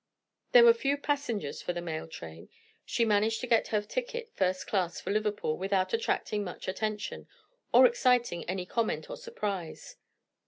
There were few passengers for the mail train; she managed to get her ticket first class for Liverpool without attracting much attention, or exciting any comment or surprise.